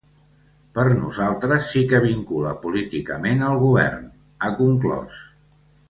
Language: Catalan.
Per nosaltres sí que vincula políticament el govern, ha conclòs.